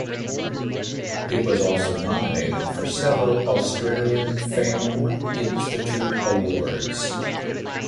It was also nominated for several Australian Film Institute Awards.